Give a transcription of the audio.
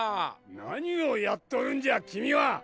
何をやっとるんじゃ君は！